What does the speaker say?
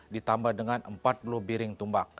ditambah dengan empat puluh biring tumbak